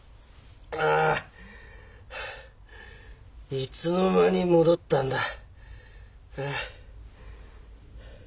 あいつの間に戻ったんだ。